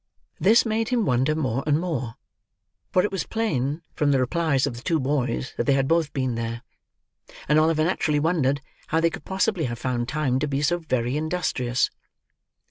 This made him wonder more and more; for it was plain from the replies of the two boys that they had both been there; and Oliver naturally wondered how they could possibly have found time to be so very industrious.